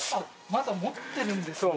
まだ持ってるんですね。